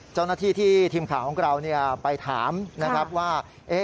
เจ้าหน้าที่ที่ทีมข่าวของเราไปถามนะครับว่า